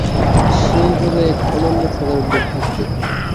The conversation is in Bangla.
সে হবে এক অনন্য সাধারণ ব্যক্তিত্ব।